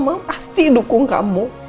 mama pasti dukung kamu